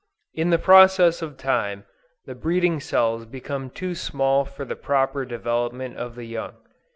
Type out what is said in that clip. In process of time, the breeding cells become too small for the proper development of the young.